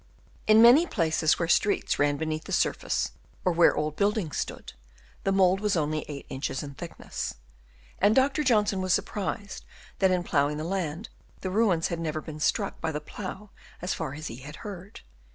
In many places, where streets ran beneath the surface, or where old buildings stood, the mould was only 8 inches in thickness ; and Dr. Johnson was surprised that in ploughing the land, the ruins had never been struck by the plough as far as he had heard.